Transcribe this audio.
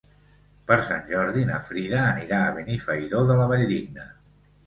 Per Sant Jordi na Frida anirà a Benifairó de la Valldigna.